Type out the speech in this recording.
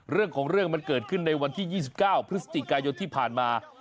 เรื่องของเรื่องมันเกิดขึ้นในวันที่๒๙พฤศจิกายนที่ผ่านมา